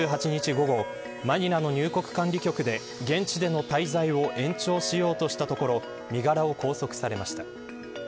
午後マニラの入国管理局で現地での滞在を延長しようとしたところ身柄を拘束されました。